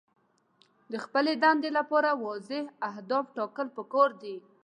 د خپلې دندې لپاره واضح اهداف ټاکل پکار دي.